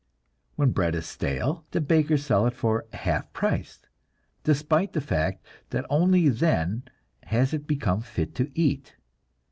When bread is stale, the bakers sell it for half price, despite the fact that only then has it become fit to eat.